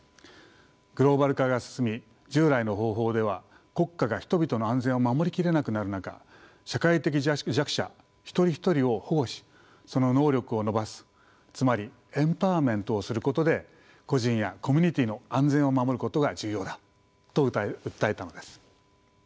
グローバル化が進み従来の方法では国家が人々の安全を守り切れなくなる中社会的弱者一人一人を保護しその能力を伸ばすつまりエンパワーメントをすることで個人やコミュニティーの安全を守ることが重要だと訴えたのです。